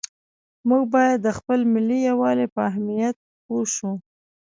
موږ باید د خپل ملي یووالي په اهمیت پوه شو.